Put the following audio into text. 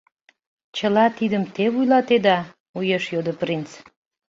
— Чыла тидым те вуйлатеда? — уэш йодо принц.